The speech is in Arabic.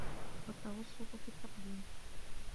وَالتَّوَسُّطِ فِي التَّقْدِيمِ